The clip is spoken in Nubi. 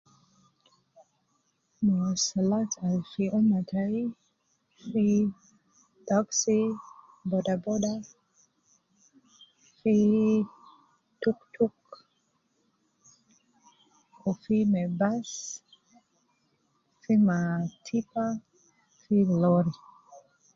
Mwasalaat Al fi ummah tayi fi taksi, bodaboda, fii tuktuk Wu fi me bus, fi ma tipa fi lorry